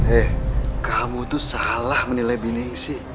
eh kamu tuh salah menilai bindingsi